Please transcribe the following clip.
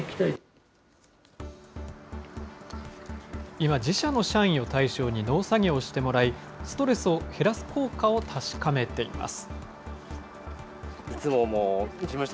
今、自社の社員を対象に農作業をしてもらい、ストレスを減らす効果を確かめています。